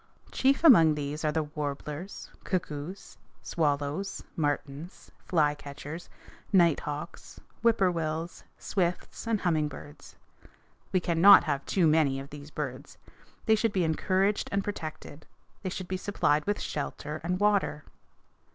Chief among these are the warblers, cuckoos, swallows, martins, flycatchers, nighthawks, whippoorwills, swifts, and humming birds. We cannot have too many of these birds. They should be encouraged and protected. They should be supplied with shelter and water.